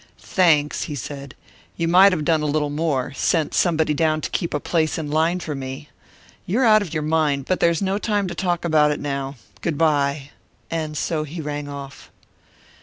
"Thanks!" he said. "You might have done a little more sent somebody down to keep a place in line for me. You're out of your mind, but there's no time to talk about it now. Good by." And so he rang off.